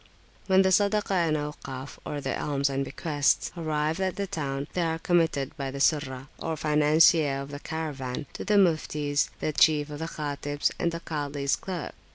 When the Sadaka and Aukaf (the alms and bequests) arrive at the town, they are committed by the Surrah, or [p.375]financier of the caravan, to the Muftis, the chief of the Khatibs, and the Kazi's clerk.